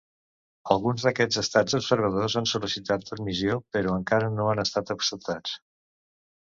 Alguns d'aquests estats observadors han sol·licitat admissió, però, encara no han estat acceptats.